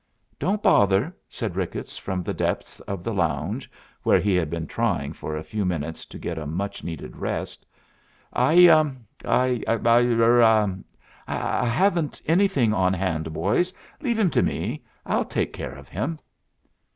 "Don't bother," said Ricketts, from the depths of the lounge, where he had been trying for some minutes to get a much needed rest. "I I er I haven't anything on hand, boys. Leave him to me. I'll take care of him."